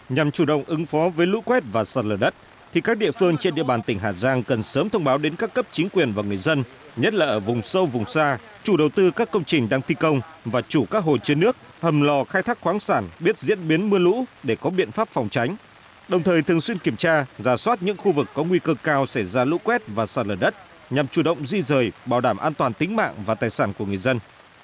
nhằm chủ động ứng phó với lũ quét và sạt lở đất thì các địa phương trên địa bàn tỉnh hà giang cần sớm thông báo đến các cấp chính quyền và người dân nhất là ở vùng sâu vùng xa chủ đầu tư các công trình đang thi công và chủ các hồ chứa nước hầm lò khai thác khoáng sản biết diễn biến mưa lũ để có biện pháp phòng tránh đồng thời thường xuyên kiểm tra giả soát những khu vực có nguy cơ cao xảy ra lũ quét và sạt lở đất nhằm chủ động di rời bảo đảm an toàn tính mạng và tài sản của người dân